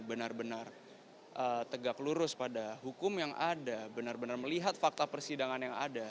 benar benar tegak lurus pada hukum yang ada benar benar melihat fakta persidangan yang ada